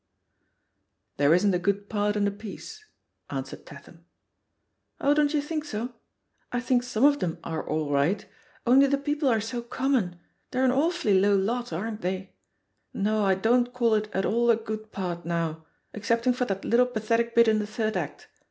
"There isn't a good part in the piece," an fweted Tatham. "Oh, don't you think so? I think some of them are all right. Only the people are so com mon; they're an awfully low lot, aren't they? No, I don't call it at all a good part now, except ing for that little pathetic bit in the third act.